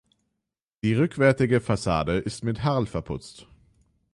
Die rückwärtige Fassade ist mit Harl verputzt.